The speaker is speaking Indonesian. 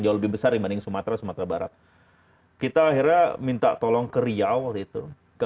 jauh lebih besar dibanding sumatera sumatera barat kita akhirnya minta tolong ke riau waktu itu ke